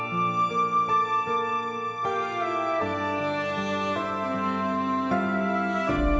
zarian sudah menanggung kekuatan rina